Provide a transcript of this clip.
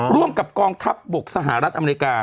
ร่วมกับกองทัพบกสหรัฐอเมริกา